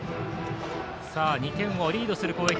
２点をリードする攻撃。